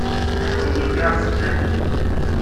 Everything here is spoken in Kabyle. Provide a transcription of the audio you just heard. Anwa i t-id-iṛesmen?